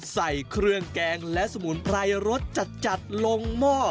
ใส่เครื่องแกงและสมุนไพรรสจัดลงหม้อ